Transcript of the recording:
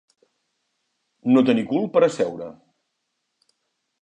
No tenir cul per a seure.